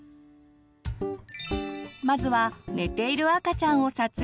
まずは寝ている赤ちゃんを撮影する時。